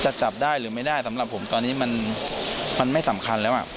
จับได้หรือไม่ได้สำหรับผมตอนนี้มันไม่สำคัญแล้วอ่ะ